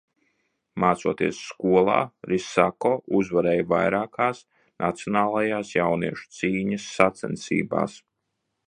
Mācoties skolā, Risako uzvarēja vairākās nacionālajās jauniešu cīņas sacensībās.